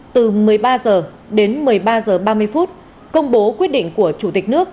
từ một mươi ba h đến một mươi ba h ba mươi phút công bố quyết định của chủ tịch nước